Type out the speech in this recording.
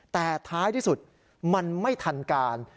แต่ท้ายที่สุดมันไม่ทันการ